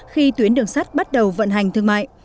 khi tuyến đường sắt bắt đầu vận hành thương mại